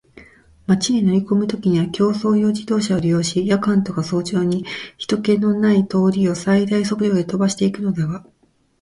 町へ乗りこむときには競走用自動車を利用し、夜間とか早朝に人気ひとけのない通りを最大速力で飛ばしていくのだが、